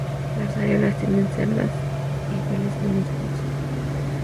Las areolas tienen cerdas o pelos minúsculos.